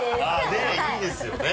ねっいいですよね